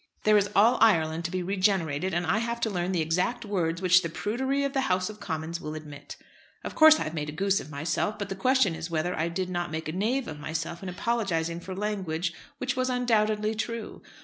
There is all Ireland to be regenerated, and I have to learn the exact words which the prudery of the House of Commons will admit. Of course I have made a goose of myself; but the question is whether I did not make a knave of myself in apologising for language which was undoubtedly true.